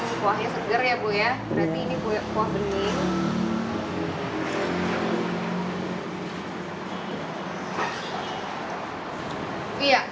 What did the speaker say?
ini kuahnya segar ya bu ya